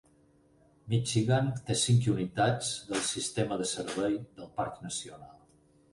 Michigan té cinc unitats del sistema de Servei del Parc Nacional.